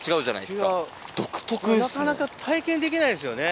なかなか体験できないですよね